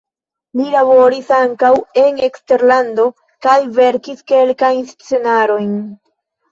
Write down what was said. Li laboris ankaŭ en eksterlando kaj verkis kelkajn scenarojn.